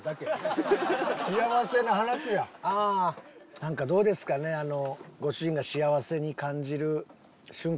何かどうですかねええっ！